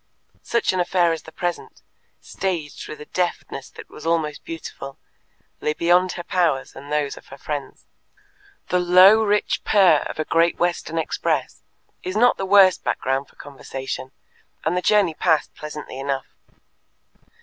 Such an affair as the present, staged with a deftness that was almost beautiful, lay beyond her powers and those of her friends. The low rich purr of a Great Western express is not the worst background for conversation, and the journey passed pleasantly enough.